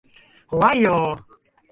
怖いよ。